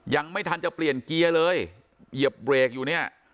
ยังไม่ทันจะเปลี่ยนเกียร์เลยเหยียบเบรกอยู่เนี่ย